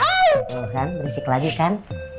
kan berisik lagi kan